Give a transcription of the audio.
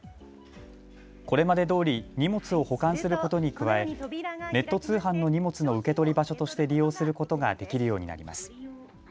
これまでどおり荷物を保管することに加えネット通販の荷物の受け取り場所として利用することができるようになります。